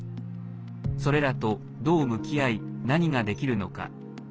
それらと、どう向き合い何ができるのか。